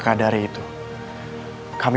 kita ter atual